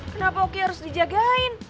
kenapa oki harus dijagain